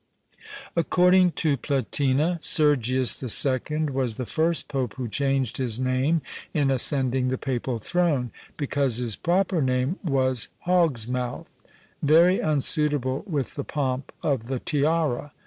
According to Platina, Sergius the Second was the first pope who changed his name in ascending the papal throne; because his proper name was Hog's mouth, very unsuitable with the pomp of the tiara.